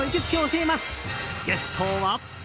ゲストは。